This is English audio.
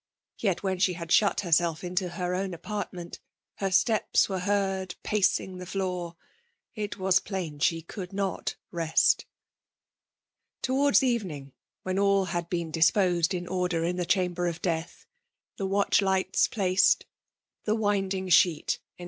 Yet i^hen she had diut hcr^ B6lf into her own apartment, her steps, were ' heard pacing the floor: it was plain she could not rest. Towards evening, when all had hecn dis^ posed in order in the chamber of death, — the ' watch'lights placcd,<* the winding sheet en^